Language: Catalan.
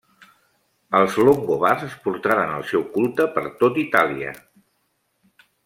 Els longobards portaren el seu culte per tot Itàlia.